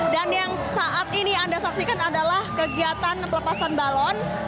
dan yang saat ini anda saksikan adalah kegiatan pelepasan balon